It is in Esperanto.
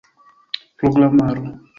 programaro